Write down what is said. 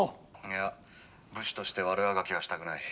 「いや武士として悪あがきはしたくない。